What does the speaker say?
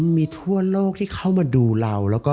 มีทั่วโลกที่เข้ามาดูเรา